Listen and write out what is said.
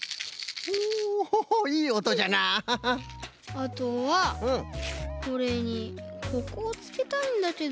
あとはこれにここをつけたいんだけど。